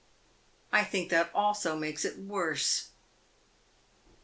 "I think that also makes it worse!"